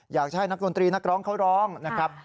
อยากให้นักดนตรีนักร้องเขาร้องนะครับ